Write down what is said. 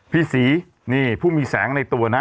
พี่ศรีนี่ผู้มีแสงในตัวนะ